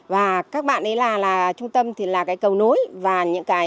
và các bạn ấy là trung tâm thì là cái cầu nối và những cái